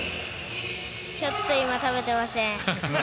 ちょっと今、食べてません。